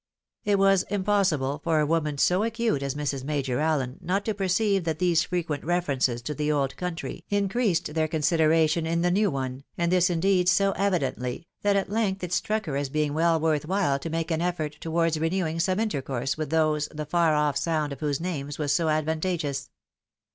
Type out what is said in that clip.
It was impossible for a woman so acute as Mrs. Major Afien, not to perceive that these frequent references to the old country, increased their consideration in the new one, and this indeed so evidently, that at length it struck her as being well worth while to make an effort towards renewing some intercourse B 18 THE WIDOW MARRIED. witli those, the far off sound of whose names was so advan tageous.